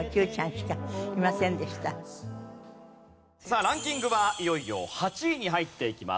さあランキングはいよいよ８位に入っていきます。